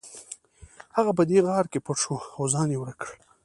هغه په دې غار کې پټ شو او ځان یې ورک کړ